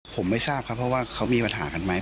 ผมไม่ทราบครับเพราะว่าเขามีปัญหากันไหม